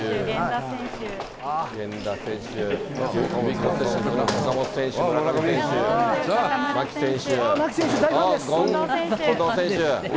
源田選手、岡本選手、村上選手、近藤選手。